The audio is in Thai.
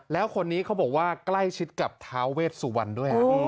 แล้วคนนี้เขาบอกว่าใกล้ชิดกับท้าเวชสุวรรณด้วย